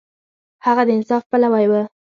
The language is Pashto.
هغه د انصاف پلوی و.